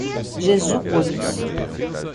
Jesúpolis